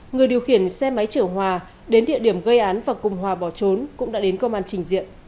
người điều khiển xe máy chở hòa đến địa điểm gây án và cùng hòa bỏ trốn cũng đã đến công an trình diện